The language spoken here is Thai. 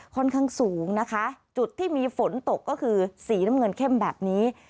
ค่อนข้างสูงนะคะจุดที่มีฝนตกก็คือสีน้ำเงินเข้มแบบนี้